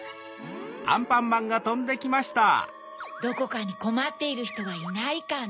どこかにこまっているひとはいないかな。